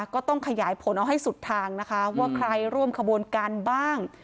ก็ต้องขยายผลเอาให้สุดทางนะคะว่าใครร่วมขบวนการบ้าง